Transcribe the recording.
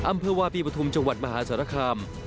อำเภอวาปีปฐุมจังหวัดมหาสารคาม